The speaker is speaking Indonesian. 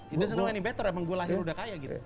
it doesn't know any better emang gue lahir udah kaya gitu